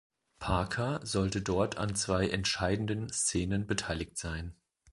Parker sollte dort an zwei entscheidenden Szenen beteiligt sein.